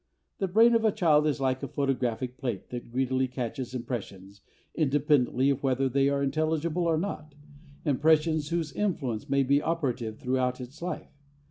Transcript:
The brain of a child is like a photographic plate that greedily catches impressions, independently of whether they are intelligible or not, impressions whose influence may be operative throughout its life.